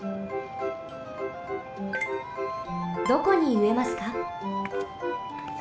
どこにうえますか？